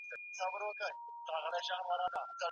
سبا ته نيت وکړئ.